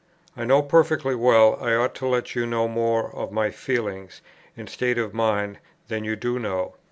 I know perfectly well, I ought to let you know more of my feelings and state of mind than you do know.